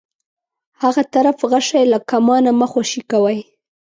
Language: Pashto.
هغه طرف غشی له کمانه مه خوشی کوئ.